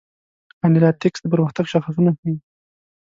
انالیتکس د پرمختګ شاخصونه ښيي.